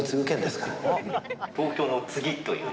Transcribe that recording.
東京の次という？